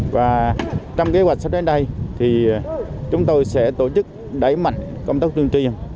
và trong kế hoạch sau đến đây chúng tôi sẽ tổ chức đẩy mạnh công tác tuyên truyền